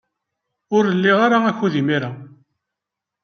Ur liɣ ara akud imir-a.